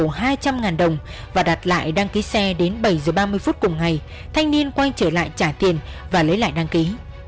cây xăng thuộc xã quỳ hậu đạt hai trăm linh đồng và đặt lại đăng ký xe đến bảy h ba mươi phút cùng ngày thanh niên quay trở lại trả tiền và lấy lại đăng ký